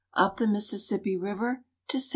UP THE MISSISSIPPI RIVER TO ST.